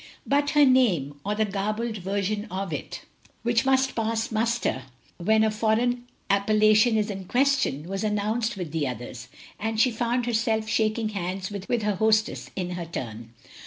But her name — or the garbled version of it i84 THE LONELY LADY which must pass muster when a foreign appel lation is in question — ^was announced with the others, and she found herself shaking hands with her hostess in her turn.